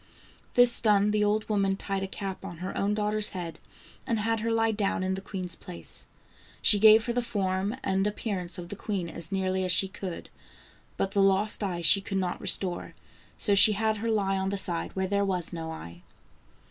Th is done, the old woman tied a cap on her own daughter's head, and had her lie down in the queen's place. She gave her the form and appearance of the queen as nearly as she could, but the lost eye she could not restore, so she had her lie on the side where there was no eye.